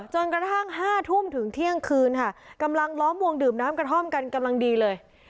กระทั่ง๕ทุ่มถึงเที่ยงคืนค่ะกำลังล้อมวงดื่มน้ำกระท่อมกันกำลังดีเลย